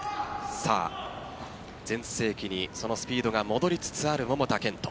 全盛期にスピードが戻りつつある桃田賢斗。